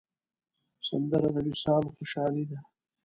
سندره د وصال خوشحالي ده